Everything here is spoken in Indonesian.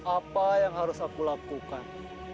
apa yang harus aku lakukan